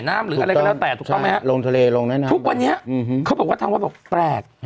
แหม่น้ำหรืออะไรก็แล้วแตกถูกต้องไหมครับลงทะเลลงแม่น้ำทุกวันนี้เขาบอกว่าทางว่าแบบแปลก